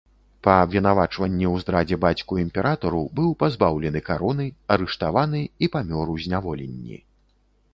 Па абвінавачванні ў здрадзе бацьку імператару быў пазбаўлены кароны, арыштаваны і памёр у зняволенні.